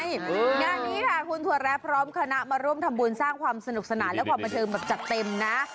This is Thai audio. งานนี้ค่ะคุณถั่วแร้พร้อมคณะมาร่วมทำบุญสร้างความสนุกสนานและความบันเทิงแบบจัดเต็มนะ